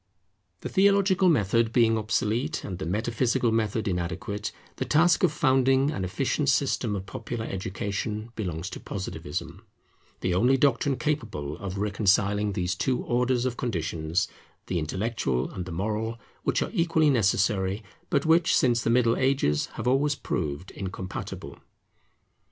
The theological method being obsolete, and the metaphysical method inadequate, the task of founding an efficient system of popular education belongs to Positivism; the only doctrine capable of reconciling these two orders of conditions, the intellectual and the moral, which are equally necessary, but which since the Middle Ages have always proved incompatible.